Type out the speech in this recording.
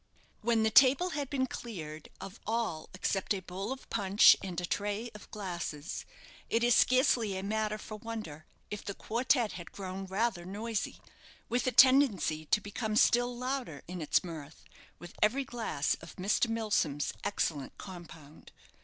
When the table had been cleared of all except a bowl of punch and a tray of glasses, it is scarcely a matter for wonder if the quartette had grown rather noisy, with a tendency to become still louder in its mirth with every glass of Mr. Milsom's excellent compound.